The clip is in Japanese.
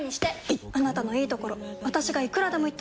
いっあなたのいいところ私がいくらでも言ってあげる！